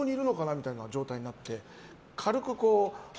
みたいな状態になって。